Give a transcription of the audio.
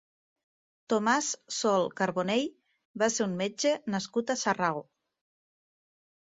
Tomàs Sol Carbonell va ser un metge nascut a Sarral.